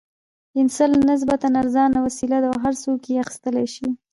پنسل نسبتاً ارزانه وسیله ده او هر څوک یې اخیستلای شي.